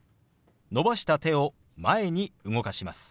伸ばした手を前に動かします。